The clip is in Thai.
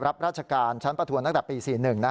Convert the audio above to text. รับราชการชั้นประทวนตั้งแต่ปี๔๑